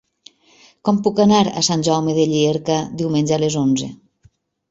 Com puc anar a Sant Jaume de Llierca diumenge a les onze?